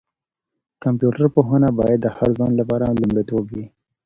کمپيوټر پوهنه باید د هر ځوان لپاره لومړیتوب وي.